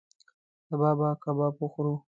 سبا به کباب وخورو